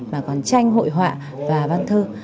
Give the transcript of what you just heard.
mà còn tranh hội họa và bát thơ